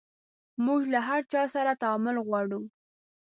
موژ له هر چا سره تعامل غواړو